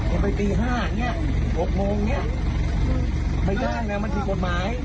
ไอ้ไปตีห้าเนี้ยหกโมงเนี้ยไม่ได้นะมันถึงกฎหมาย